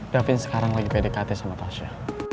davin sekarang lagi pdkt sama pasha